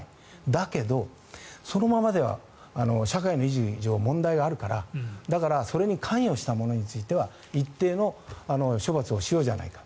だけど、そのままでは社会を維持する以上問題があるから、だからそれに関与した者については一定の処罰をしようじゃないか。